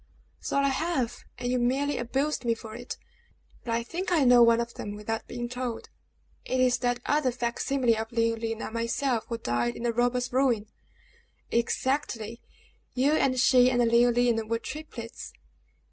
"So I have, and you merely abused me for it. But I think I know one of them without being told. It is that other fac simile of Leoline and myself who died in the robber's ruin!" "Exactly. You and she, and Leoline, were triplets!"